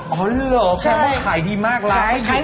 อ๋อเหรอแค่ว่าขายดีมากล้างไม่จุดเลยใช่ขาย